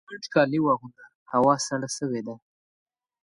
پنډ کالي واغونده ! هوا سړه سوې ده